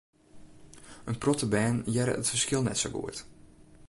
In protte bern hearre it ferskil net sa goed.